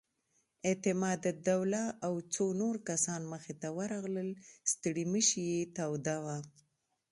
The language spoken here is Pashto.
اعتماد الدوله او څو نور کسان مخې ته ورغلل، ستړې مشې یې توده وه.